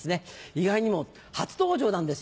意外にも初登場なんですよ。